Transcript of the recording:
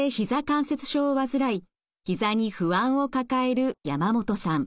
関節症を患いひざに不安を抱える山本さん。